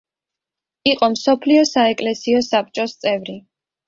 იყო მსოფლიო საეკლესიო საბჭოს წევრი.